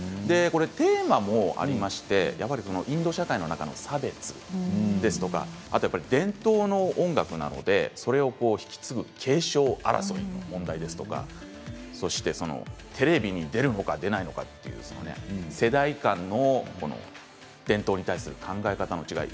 テーマがありましてインド社会の中の差別ですとか伝統の音楽なのでそれを引き継ぐ継承争いの問題ですとかテレビに出るのか、出ないのか世代間の伝統に対する考え方の違い